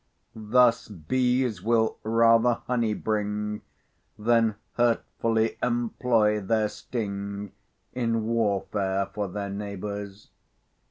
Thus bees will rather honey bring, Than hurtfully employ their sting In warfare for their neighbours.